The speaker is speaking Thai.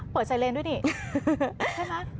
เปิดไซเรนด้วยนี่ใช่ไหม